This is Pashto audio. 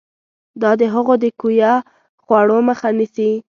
دا د هغو د کویه خوړو مخه نیسي.